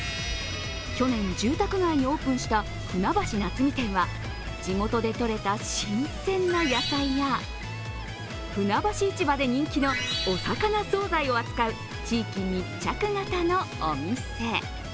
去年、住宅街にオープンした船橋夏見店は地元でとれた新鮮や野菜や船橋市場で人気のお魚総菜を扱う地域密着がたのお店。